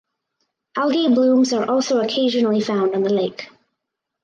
Algae blooms are also occasionally found on the lake.